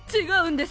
違う！